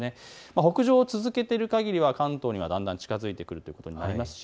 北上を続けていくかぎりは関東にだんだん近づいてくることになります。